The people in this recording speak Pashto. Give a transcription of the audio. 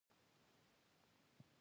نوې مقولې پردۍ نه لګي.